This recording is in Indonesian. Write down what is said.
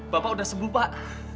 bapak udah sembuh pak